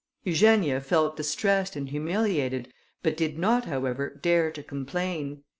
Eugenia felt distressed and humiliated, but did not, however, dare to complain.